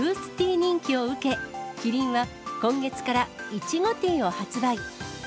人気を受け、キリンは今月から、いちごティーを発売。